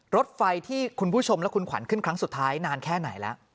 รถไฟที่คุณผู้ชมและคุณขวัญขึ้นครั้งสุดท้ายนานแค่ไหนแล้ว